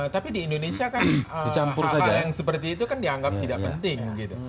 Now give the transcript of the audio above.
tapi di indonesia kan hal hal yang seperti itu kan dianggap tidak penting gitu